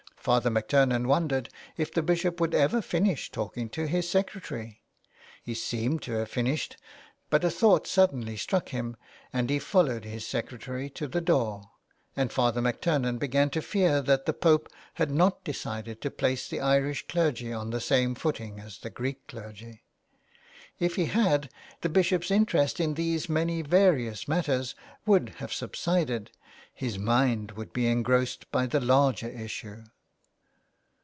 Father MacTurnan wondered if the Bishop would ever finish talking to his secretary. He seemed to have finished, but a thought suddenly struck him, and he followed his secretary to the door, and Father MacTurnan began to fear that the Pope had not decided to place the Irish clergy on the same footing as the Greek clergy. If he had, the Bishop's interest in these many various matters would have subsided : his mind would be engrossed by the larger issue.